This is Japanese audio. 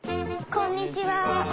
こんにちは。